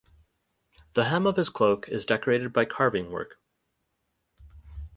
The hem of his cloak is decorated by carving work.